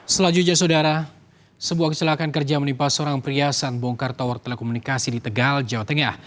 selanjutnya saudara sebuah kecelakaan kerja menimpa seorang perhiasan bongkar tower telekomunikasi di tegal jawa tengah